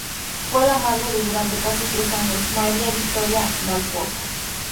Fue la madre de durante casi tres años, María Victoria dal Pozzo.